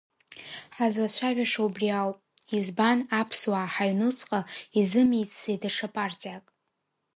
Ҳазлацәажәаша убри ауп, избан, аԥсуаа ҳаҩнуҵҟа изымицзеи даҽа партиак?